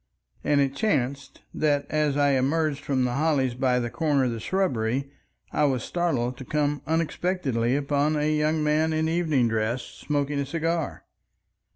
And it chanced that as I emerged from the hollies by the corner of the shrubbery I was startled to come unexpectedly upon a young man in evening dress smoking a cigar.